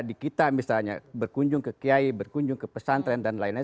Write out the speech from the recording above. di kita misalnya berkunjung ke kiai berkunjung ke pesantren dan lain lain